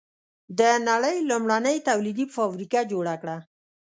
د نړۍ لومړنۍ تولیدي فابریکه جوړه کړه.